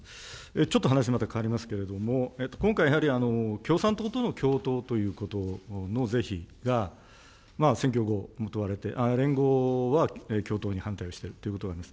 ちょっと、話また変わりますけれども、今回、やはり、共産党との共闘ということの是非が選挙後、問われて、連合は共闘に反対しているということがあります。